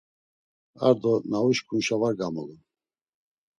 Ar do na uşǩunşa var gamulun.